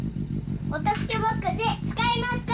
おたすけボックスつかいますか？